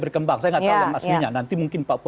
berkembang saya nggak tahu yang maksudnya nanti mungkin pak